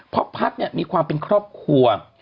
เพราะพักมีความเป็นครอบครัว